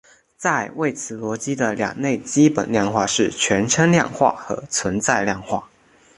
在谓词逻辑的两类基本量化是全称量化和存在量化。